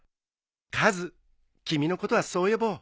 カズ君のことはそう呼ぼう。